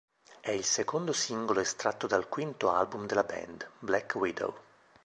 È il secondo singolo estratto dal quinto album della band, Black Widow.